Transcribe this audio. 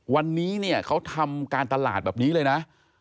วันนี้เนี่ยเขาทำการตลาดแบบนี้เลยนะ